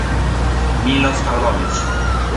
Miloš Pavlović